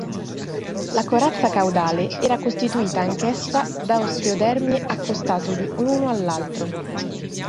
La corazza caudale era costituita anch'essa da osteodermi accostati l'uno all'altro.